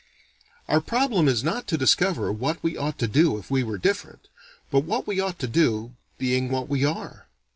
"Our problem is not to discover what we ought to do if we were different, but what we ought to do, being what we are.